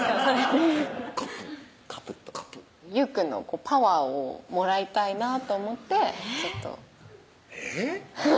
カプッカプッと優くんのパワーをもらいたいなと思ってちょっとえぇ？